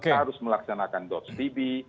dia harus melaksanakan dos tb